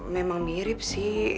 memang mirip sih